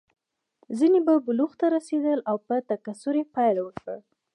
ځینې به بلوغ ته رسېدل او په تکثر یې پیل وکړ.